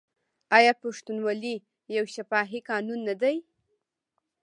آیا پښتونولي یو شفاهي قانون نه دی؟